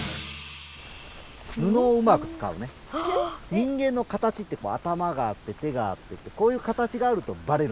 人間の形ってこう頭があって手があってこういう形があるとバレるのね。